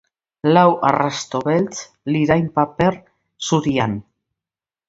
Lau arrasto beltz lirain paper zurian.